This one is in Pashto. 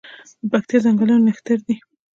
د پکتیا ځنګلونه نښتر دي